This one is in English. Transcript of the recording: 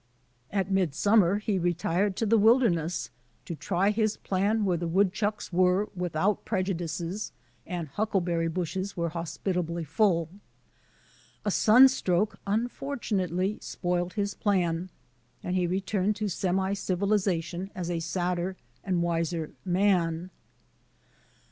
At midsummer he retired to the wilderness, to try his plan where the wood chucks were without prejudices and huckleberry bushes were hospitably full. A simstroke un fortunately spoilt his plan, and he returned to semi dvilization a sadder and wiser man.